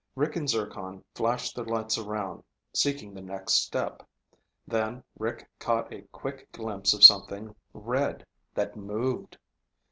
Rick and Zircon flashed their lights around, seeking the next step. Then Rick caught a quick glimpse of something red that moved!